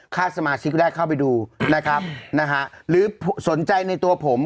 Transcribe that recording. สมาชิกได้เข้าไปดูนะครับนะฮะหรือสนใจในตัวผม